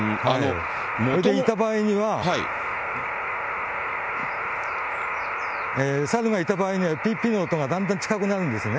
それでいた場合には、サルがいた場合には、ぴっぴっの音がだんだん近くなるんですね。